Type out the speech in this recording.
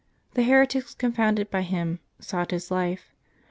The heretics, confounded by him, sought his life.